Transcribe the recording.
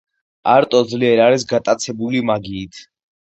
არტო ძლიერ არის გატაცებული მაგიით.